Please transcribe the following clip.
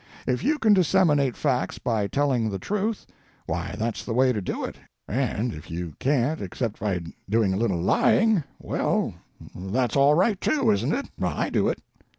If you can disseminate facts by telling the truth, why that's the way to do it, and if you can't except by doing a little lying, well, that's all right, too, isn't it? I do it."